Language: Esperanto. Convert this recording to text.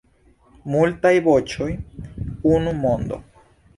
Multaj voĉoj, unu mondo.